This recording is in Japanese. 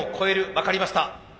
分かりました。